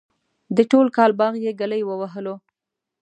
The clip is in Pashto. د ټول کال باغ یې گلی ووهلو.